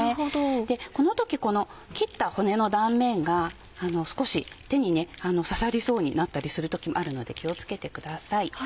この時この切った骨の断面が少し手に刺さりそうになったりする時もあるので気を付けてください。